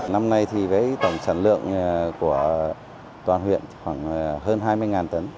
năm nay thì với tổng sản lượng của toàn huyện khoảng hơn hai mươi tấn